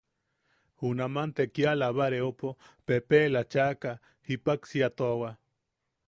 Junaman te kia labareopo pepeʼela chaʼaka, jippaksiatuawa.